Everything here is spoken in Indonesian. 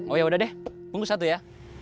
oh ya udah deh bungkus satu ya